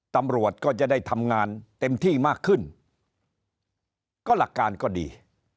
ตำรวจก็จะได้ทำงานเต็มที่มากขึ้นก็หลักการก็ดี